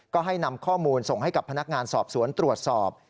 ก็ให้นำข้อมูลส่งให้กับพนักงานสอบสวนตรวจสอบ